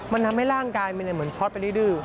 มันทำให้ร่างกายมันเหมือนช็อตไปดื้อ